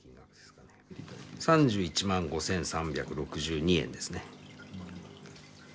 ３１万５，３６２円ですね。